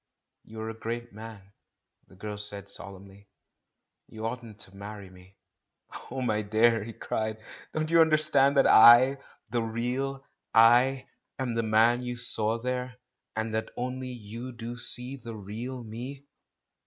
"You are a great man," said the girl solemnly; "you oughtn't to marry me." "Oh, my dearest dear," he cried, "don't you understand that I — the real 'I' — am the man you saw there, and that only you do see the real 'me'